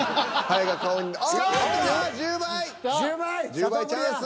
１０倍チャンス。